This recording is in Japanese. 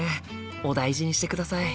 お大事にしてください。